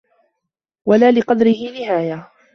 وَلَا لِقَدْرِهِ نِهَايَةٌ